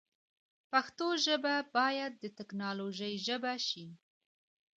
پښتو ژبه باید د تکنالوژۍ ژبه شی